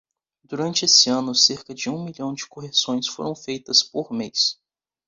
Durante esse ano, cerca de um milhão de correções foram feitas por mês.